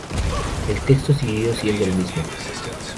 El texto siguió siendo el mismo.